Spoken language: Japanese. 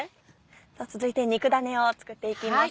続いて肉だねを作っていきますが。